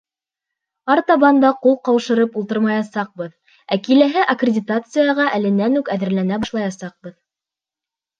Артабан да ҡул ҡаушырып ултырмаясаҡбыҙ, ә киләһе аккредитацияға әленән үк әҙерләнә башлаясаҡбыҙ.